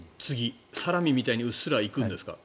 サラミみたいにうっすら行くんですか？